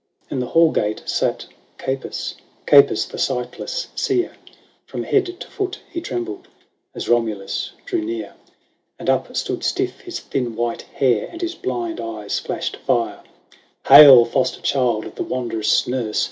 XI. In the hall gate sate Capys, Capys, the sightless seer ; From head to foot he trembled As Romulus drew near. And up stood stiff his thin white hair. And his blind eyes flashed fire :" Hail ! foster child of the wonderous nurse